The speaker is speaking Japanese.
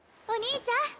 お兄ちゃん。